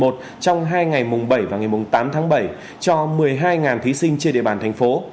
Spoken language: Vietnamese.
trong hai ngày mùng bảy và ngày mùng tám tháng bảy cho một mươi hai thí sinh trên địa bàn thành phố